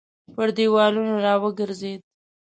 پر دېوالونو راوګرځېد.